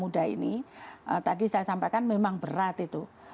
muda ini tadi saya sampaikan memang berat itu